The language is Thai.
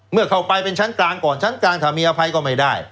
เมื่อเข้าไปเป็นชั้นกลางก่อนชั้นกลางถ้ามีอภัยก็ไม่ได้